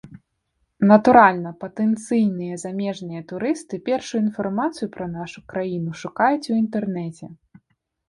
Натуральна, патэнцыйныя замежныя турысты першую інфармацыю пра нашу краіну шукаюць у інтэрнэце.